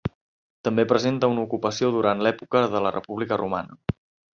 També presenta una ocupació durant l'època de la República Romana.